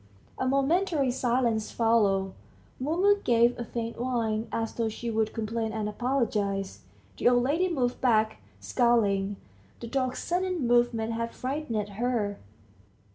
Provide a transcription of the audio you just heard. ... A momentary silence followed. Mumu gave a faint whine, as though she would complain and apologize. ... The old lady moved back, scowling. The dog's sudden movement had frightened her.